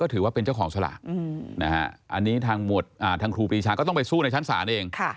ก็ถือว่าเป็นเจ้าของสลากอันนี้ทางหมวดก็ต้องไปสู้ในชั้นสารเอง